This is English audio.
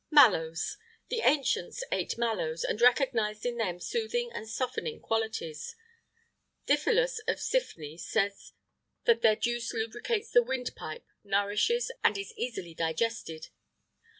MALLOWS. The ancients ate mallows, and recognised in them soothing and softening qualities.[IX 38] Diphilus of Siphne says that their juice lubricates the windpipe, nourishes, and is easily digested.